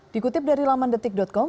dikutip dari lamandetik com